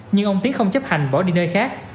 nhưng ông tiến không chấp hành bỏ đi nơi khác